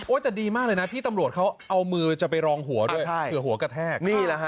โอ้ยแต่ดีมากเลยนะที่ตำรวจเขาเอามือจะไปรองหัวด้วยเผื่อหัวกระแทก